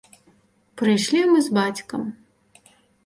Прыйшлі мы з бацькам.